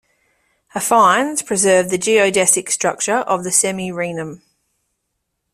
Affines preserve the geodesic structure of the semi Riem.